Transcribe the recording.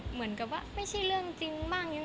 เหมือนกับว่าไม่ใช่เรื่องจริงบ้าง